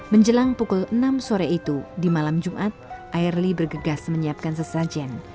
menjelang pukul enam sore itu di malam jumat airly bergegas menyiapkan sesajen